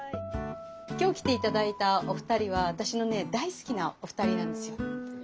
今日来て頂いたお二人は私のね大好きなお二人なんですよ。